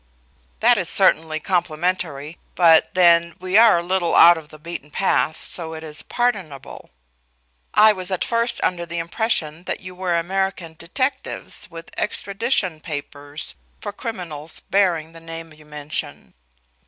"That is certainly complimentary, but, then, we are a little out of the beaten path, so it is pardonable. I was at first under the impression that you were American detectives with extradition papers for criminals bearing the name you mention."